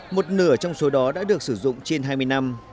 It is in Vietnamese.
một nửa trong số đó đã được sử dụng trên hai mươi năm